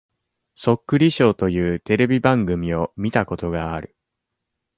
そっくりショーというテレビ番組を見たことがある。